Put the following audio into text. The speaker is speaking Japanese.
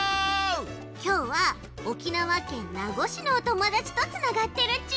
きょうは沖縄県名護市のおともだちとつながってるち。